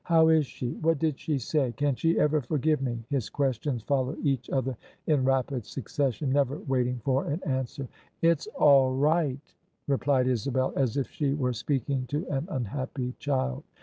" How is she? What did she say? Can she ever forgive me? " His ques tions followed each other in rapid succession, never waiting for an answer. " It's all right," replied Isabel, as if she were speaking to an unhappy child.